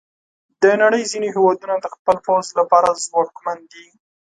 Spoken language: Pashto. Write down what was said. د نړۍ ځینې هیوادونه د خپل پوځ لپاره ځواکمن دي.